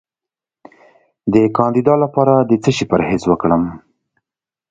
د کاندیدا لپاره د څه شي پرهیز وکړم؟